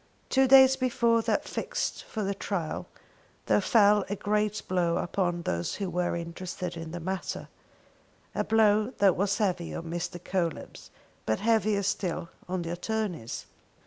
Two days before that fixed for the trial there fell a great blow upon those who were interested in the matter; a blow that was heavy on Mr. Coelebs but heavier still on the attornies.